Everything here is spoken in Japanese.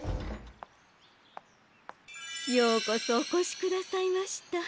ようこそおこしくださいました。